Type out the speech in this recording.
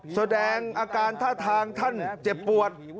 แสดงอาการท่าทางท่านเจ็บปวด